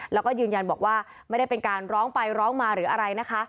แล้วก็ยืนยันบอกว่าไม่ได้เป็นการร้องไปร้องมาหรืออะไรนะคะ